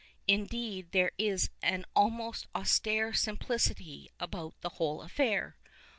Indeed, there is an almost austere simplicity about the whole affair.